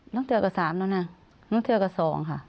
ตั้งเทือนกับสามแล้วนะตั้งเทือนกับสองค่ะ